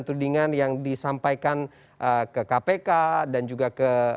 tudingan yang disampaikan ke kpk dan kemudian ke kppi dan kemudian ke kppi dan kemudian ke kppi